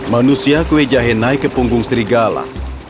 manusia kue jahe naik ke punggung serigala